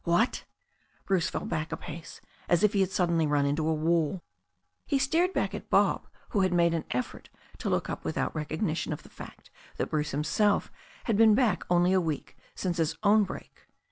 "What!" Bruce fell back a pace, as if he had suddenly run into a wall. He stared back at Bob, who had made an effort to look up without recognition of the fact that Bruce himself had been back only a week since his own break.